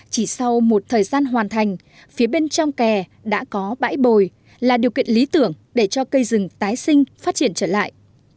chỉ sau một thời gian hoàn thành phía bên trong kè đã có bãi bồi là điều kiện lý tưởng để cho cây rừng tái sinh phát triển trở lại